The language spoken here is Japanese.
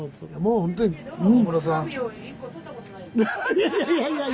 いやいやいやいや！